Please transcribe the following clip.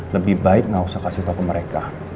lebih baik nggak usah kasih tau ke mereka